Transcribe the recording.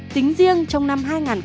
tính riêng trong năm hai nghìn một mươi năm